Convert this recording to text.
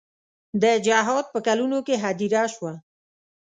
د جهاد په کلونو کې هدیره شوه.